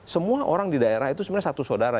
semua orang di daerah itu sebenarnya satu saudara